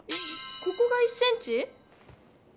ここが１ｃｍ？